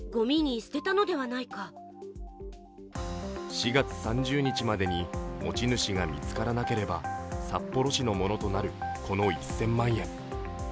４月３０日までに持ち主が見つからなければ札幌市のものとなるこの１０００万円。